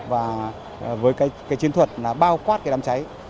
và với cái chiến thuật là bao quát cái đám cháy